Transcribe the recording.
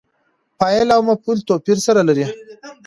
فاعل او مفعول توپیر سره لري.